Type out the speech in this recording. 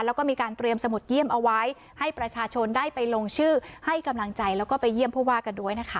แล้วก็มีการเตรียมสมุดเยี่ยมเอาไว้ให้ประชาชนได้ไปลงชื่อให้กำลังใจแล้วก็ไปเยี่ยมผู้ว่ากันด้วยนะคะ